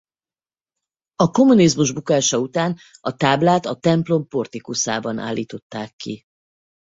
A kommunizmus bukása után a táblát a templom portikuszában állították ki.